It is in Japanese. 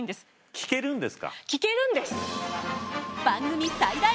聞けるんです！